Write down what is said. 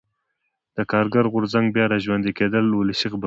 د کارګر غورځنګ بیا را ژوندي کېدل ولسي غبرګون و.